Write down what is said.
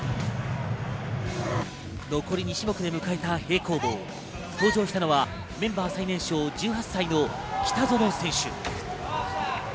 残り２種目で迎えた平行棒、登場したのはメンバー最年少１８歳の北園選手。